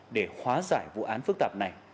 để hóa giải vụ án phức tạp này